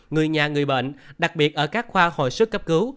người nhà người bệnh đặc biệt ở các khoa hồi sức cấp cứu